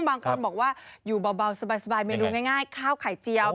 บางคนบอกว่าอยู่เบาสบายเมนูง่ายข้าวไข่เจียว